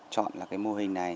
chọn mô hình này